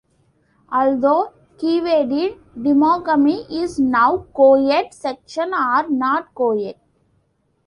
Although Keewaydin Temagami is now co-ed, sections are not co-ed.